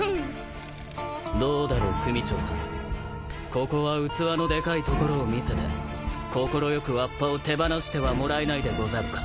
ここは器のでかいところを見せて快くわっぱを手放してはもらえないでござるか。